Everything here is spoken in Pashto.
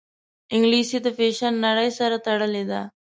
انګلیسي د فیشن نړۍ سره تړلې ده